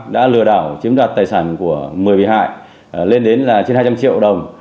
đã lừa đảo chiếm đoạt tài sản của một mươi bị hại lên đến là trên hai trăm linh triệu đồng